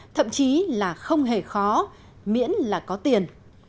thậm chí là không hề khó miễn là có tiền